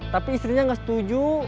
tapi istrinya gak setuju